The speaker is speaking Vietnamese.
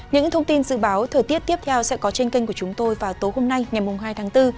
những thông tin dự báo thời tiết tiếp theo sẽ có trên kênh của chúng tôi vào tối hôm nay ngày hai tháng bốn